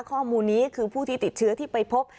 ข้อมูลนี้คือผู้ที่ติดเชื้อที่ไปพบ